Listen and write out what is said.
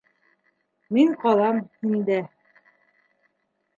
Мин ҡалам һиндә...